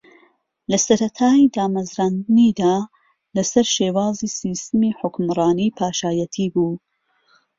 لە سەرەتای دامەزراندنییدا لەسەر شێوازی سیستمی حوکمڕانی پاشایەتی بوو